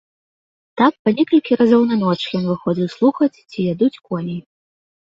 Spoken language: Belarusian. Так па некалькі разоў на ноч ён выходзіў слухаць, ці ядуць коні.